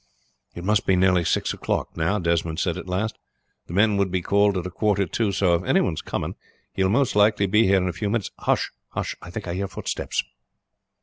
"It must be nearly six o'clock now," Desmond said at last. "The men would be called at a quarter to, so if any one is coming he will most likely be here in a few minutes. Hush! I think I can hear footsteps."